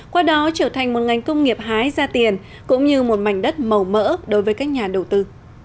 qua đó trở thành một ngành công nghiệp hái ra tiền cũng như một mảnh đất màu mỡ đối với các nhà đầu tư